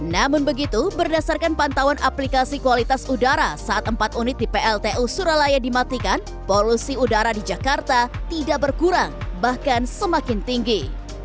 namun begitu berdasarkan pantauan aplikasi kualitas udara saat empat unit di pltu suralaya dimatikan polusi udara di jakarta tidak berkurang bahkan semakin tinggi